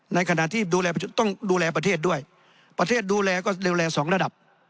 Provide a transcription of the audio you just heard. ในขณะที่ต้องดูแลประเทศด้วยประเทศดูแลก็เร็วแอร์สองระดับ